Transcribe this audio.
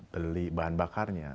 beli bahan bakarnya